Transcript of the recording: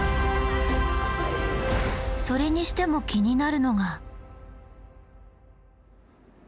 それにしても気になるのが。